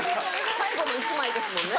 最後の１枚ですもんね。